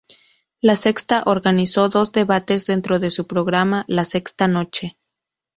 La Sexta organizó dos debates dentro de su programa La Sexta Noche.